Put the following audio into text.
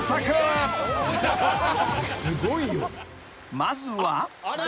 ［まずは］